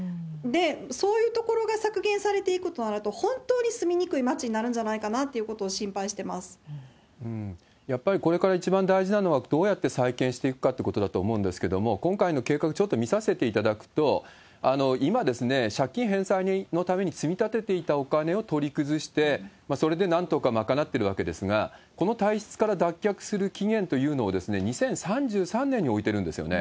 そういうところが削減されていくとなると、本当に住みにくい街になるんじゃないかなということをやっぱりこれから一番大事なのは、どうやって再建していくかってことだと思うんですけれども、今回の計画、ちょっと見させていただくと、今、借金返済のために積み立てていたお金を取り崩して、それでなんとか賄ってるわけですが、この体質から脱却する期限というのを２０３３年に置いてるんですよね。